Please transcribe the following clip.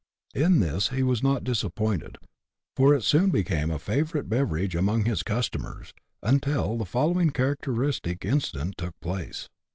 In this he was not disappointed, for it soon became a favourite beverage among his customers, until the following characteristic incident took place.